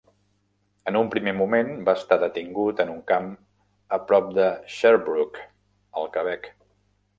En un primer moment, va estar detingut en un camp a prop de Sherbrooke, al Quebec.